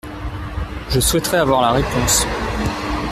Je souhaiterais avoir la réponse.